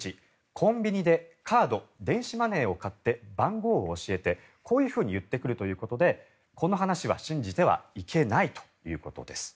コンビニでカード、電子マネーを買って番号を教えてこういうふうに言ってくるということでこの話は信じてはいけないということです。